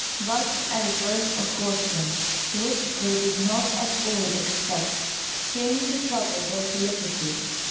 But a reverse of fortune which they did not at all expect, came to trouble their felicity.